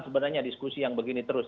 sebenarnya diskusi yang begini terus